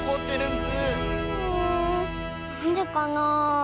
んなんでかなあ。